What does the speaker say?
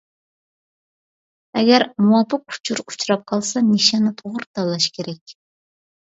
ئەگەر، مۇۋاپىق ئۇچۇر ئۇچراپ قالسا نىشاننى توغرا تاللاش كېرەك.